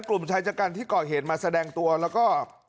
กลุ่มชายชะกันที่ก่อเหตุมาแสดงตัวแล้วก็